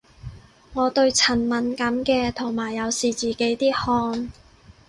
我對塵敏感嘅，同埋有時自己啲汗